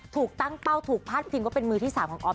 ถูกตั้งเป้าถูกพาดพิงว่าเป็นมือที่๓ของออฟ